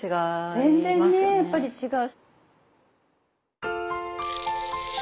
全然ねやっぱり違う。